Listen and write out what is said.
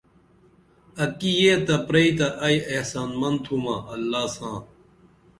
اکی یہ تہ پری تہ ائی احسان من تُھمہ اللہ ساں